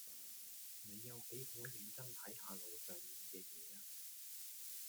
你有幾可認真睇下路上面嘅嘢吖